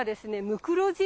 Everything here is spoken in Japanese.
ムクロジ。